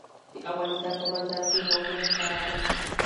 د افغانستان په منظره کې قومونه ښکاره ده.